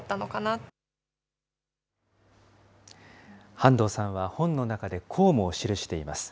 半藤さんは本の中で、こうも記しています。